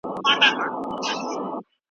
لوستې مور د ناروغۍ د خپرېدو لاملونه پېژني.